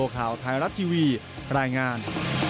แบบนั้น